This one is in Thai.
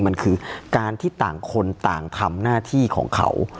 มันคือการที่ต่างคนต่างทำหน้าที่ของเขา